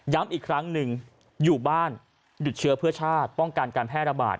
อีกครั้งหนึ่งอยู่บ้านหยุดเชื้อเพื่อชาติป้องกันการแพร่ระบาด